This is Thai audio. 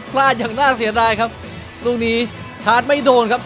ลาดอย่างน่าเสียดายครับลูกนี้ชาร์จไม่โดนครับ